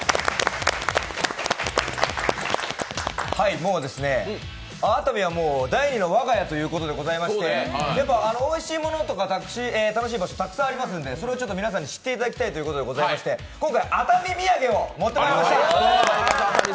もう熱海は第２の我が家ということでございましておいしいものとか楽しい場所、たくさんありますので、それをちょっと皆さんに知っていただきたいということで今回、熱海土産を持ってまいりました。